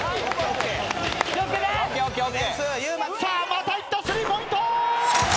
またいったスリーポイント！